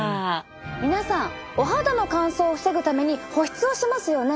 皆さんお肌の乾燥を防ぐために保湿をしますよね。